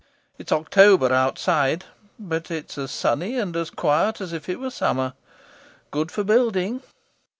It's October outside, but it's as sunny and as quiet as if it were summer. Good for building.